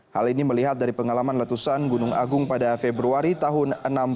hal ini melihat dari pengalaman letusan gunung agung pada februari tahun